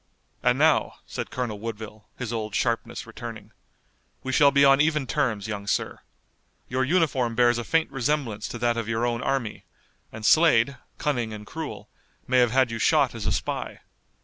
"And now," said Colonel Woodville, his old sharpness returning, "we shall be on even terms, young sir. Your uniform bears a faint resemblance to that of your own army, and Slade, cunning and cruel, may have had you shot as a spy.